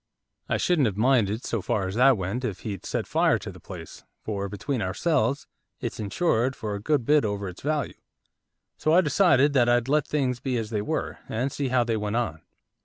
'I shouldn't have minded, so far as that went, if he'd set fire to the place, for, between ourselves, it's insured for a good bit over its value. So I decided that I'd let things be as they were, and see how they went on.